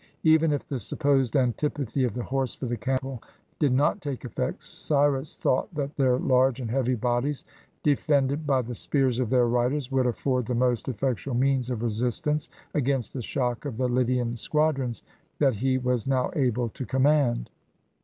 Even if the supposed antipathy of the horse for the camel did not take effect, Cyrus thought that their large and heavy bodies, defended by the spears of their riders, would afford the most effectual means of resistance against the shock of the Lydian squadrons that he was now able to command.